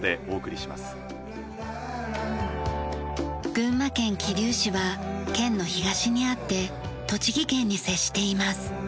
群馬県桐生市は県の東にあって栃木県に接しています。